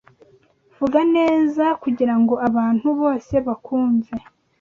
Vuga neza kugirango abantu bose bakwumve.